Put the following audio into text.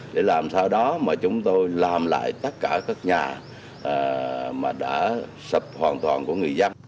để làm sao đó mà chúng tôi làm lại tất cả các nhà mà đã sập hoàn toàn của người dân